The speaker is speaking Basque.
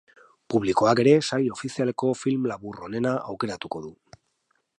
Publikoak ere sail ofizialeko film labur onena aukeratuko du.